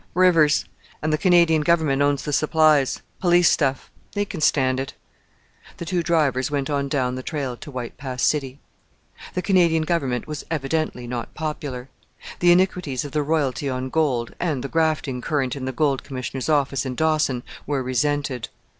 "Rivers; and the Canadian Government owns the supplies police stuff. They can stand it." The two drivers went on down the trail to White Pass City. The Canadian Government was evidently not popular. The iniquities of the royalty on gold, and the grafting current in the Gold Commissioner's office in Dawson were resented.